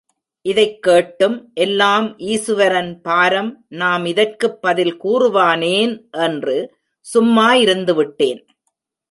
இதைக் கேட்டும், எல்லாம் ஈசுவரன் பாரம், நாம் இதற்குப் பதில் கூறுவானேன் என்று சும்மா இருந்துவிட்டேன்.